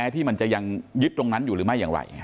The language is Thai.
ตอนนี้๑๐๒แล้วนะ